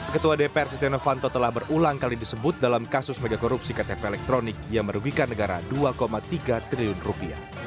ketua dpr setia novanto telah berulang kali disebut dalam kasus megakorupsi ktp elektronik yang merugikan negara dua tiga triliun rupiah